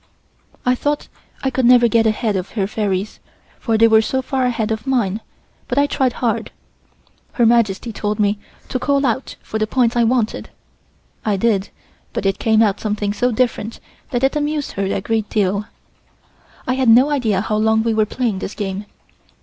I thought I could never get ahead of her fairies, for they were so far ahead of mine, but I tried hard, as Her Majesty told me to call out for the points I wanted. I did, but it came out something so different that it amused her a great deal. I had no idea how long we were playing this game.